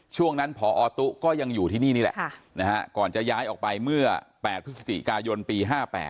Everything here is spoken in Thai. ช่วงนั้นพอตุ๊ก็ยังอยู่ที่นี่นี่แหละก่อนจะย้ายออกไปเมื่อ๘พฤศจิกายนปี๕๘